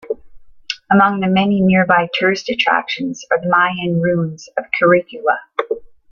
Among the many nearby tourist attractions are the Mayan ruins of Quirigua.